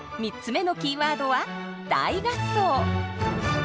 ３つ目のキーワードは「大合奏」。